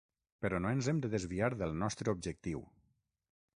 Però no ens hem de desviar del nostre objectiu.